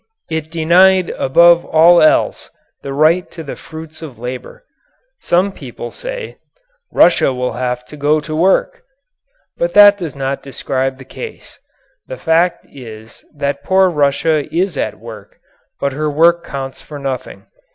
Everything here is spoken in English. It denied above all else the right to the fruits of labour. Some people say, "Russia will have to go to work," but that does not describe the case. The fact is that poor Russia is at work, but her work counts for nothing.